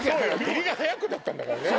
減りが早くなったんだからね。